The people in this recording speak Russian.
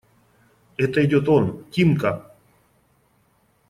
Это идет он… Тимка!